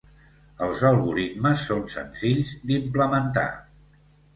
Els algoritmes són senzills d'implementar.